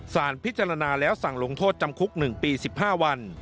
สารพิจารณาแล้วสั่งลงโทษจำคุก๑ปี๑๕วัน